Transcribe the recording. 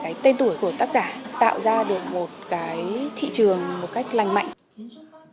cái tên tuổi của tác giả tạo ra được một cái thị trường một cách lành mạnh